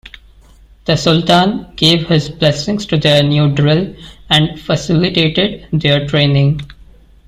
The Sultan gave his blessings to their new drill and facilitated their training.